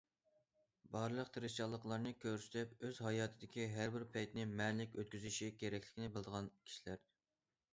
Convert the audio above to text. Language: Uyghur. بارلىق تىرىشچانلىقلارنى كۆرسىتىپ، ئۆز ھاياتىدىكى ھەر بىر پەيتنى مەنىلىك ئۆتكۈزۈشى كېرەكلىكىنى بىلىدىغان كىشىلەر.